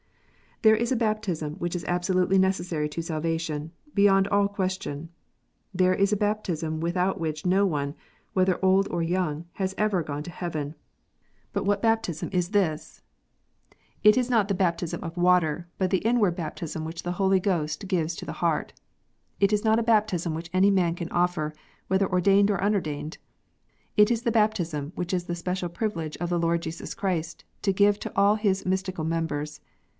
There is a baptism which is absolutely necessary to salvation, beyond all question. There is a baptism without which no one, whether old or young, has ever gone to heaven. But what baptism is this 1 It is not the baptism of water, but the inward baptism which the Holy Ghost gives to the heart. It is not a BAPTISM. 91 baptism which any man can offer, whether ordained or unordained. It is the baptism which it is the special privilege of the Lord Jesus Christ to give to all His mystical members.